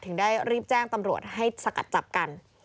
ถึงได้รีบแจ้งตำรวจให้สกัดจับกัน